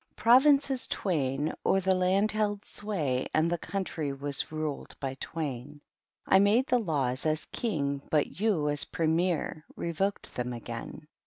'Provinces twain o'er the land held sway, and the country was ruled by twain, I made the laws, as King, but you, €U Premier, revoked them again.